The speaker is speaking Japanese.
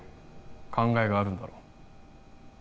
考えがあるんだろ？